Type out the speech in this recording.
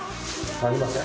ありません。